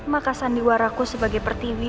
maka sandiwaraku sebagai pertilih